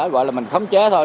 gọi là mình khống chế thôi